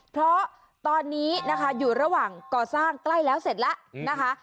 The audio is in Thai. เพราะตอนนี้นะคะอยู่ระหว่างก่อสร้างใกล้แล้วเสร็จแล้วนะคะ